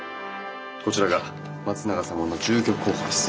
こちらが松永様の住居候補です。